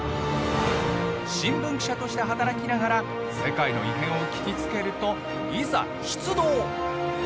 新聞記者として働きながら世界の異変を聞きつけるといざ出動！